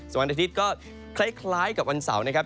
วันอาทิตย์ก็คล้ายกับวันเสาร์นะครับ